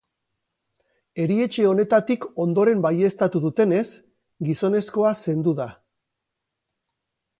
Erietxe honetatik ondoren baieztatu dutenez, gizonezkoa zendu da.